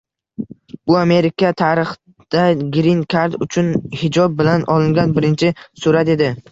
Bu Amerika tarixida grin kard uchun hijob bilan olingan birinchi surat edi